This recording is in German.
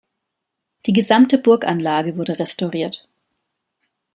Die gesamte Burganlage wurde restauriert.